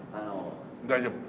大丈夫？